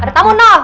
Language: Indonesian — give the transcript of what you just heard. ada tamu noh